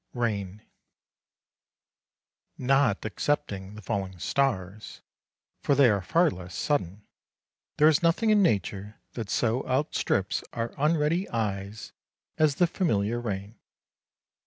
RAIN Not excepting the falling stars for they are far less sudden there is nothing in nature that so outstrips our unready eyes as the familiar rain.